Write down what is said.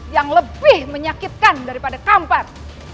yang lebih menyakitkan daripada kampar